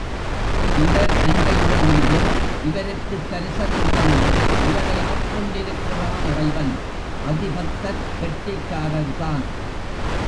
இவர் அன்பை உணர்ந்து இவருக்குத் தரிசனம் தந்து இவரை ஆட்கொண்டிருக்கிறான் இறைவன், அதிபத்தர் கெட்டிக்காரர்தான்.